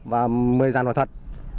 và một mươi giàn hoạt thật